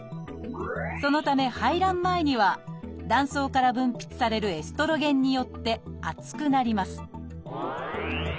そのため排卵前には卵巣から分泌されるエストロゲンによって厚くなります